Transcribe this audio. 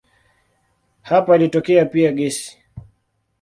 Hapa ilitokea pia gesi.